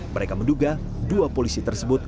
mereka menduga dua polisi tersebut